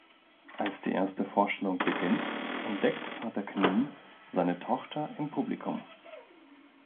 Als die erste Vorstellung beginnt, entdeckt Vater Knie seine Tochter im Publikum.